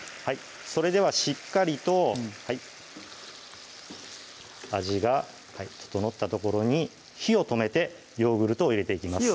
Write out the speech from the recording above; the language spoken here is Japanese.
それではしっかりと味が調ったところに火を止めてヨーグルトを入れていきます